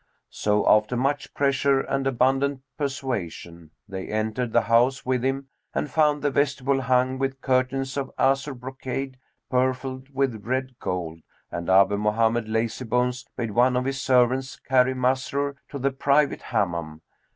So after much pressure and abundant persuasion, they entered the house with him and found the vestibule hung with curtains of azure brocade, purfled with red gold, and Abu Mohammed Lazybones bade one of his servants carry Masrur to the private Hammam.